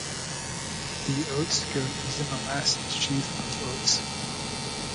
The Oats Goat is in the last sheaf of oats.